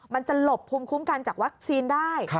มันจะหลบภูมิคุ้มกันจากวัคซีนได้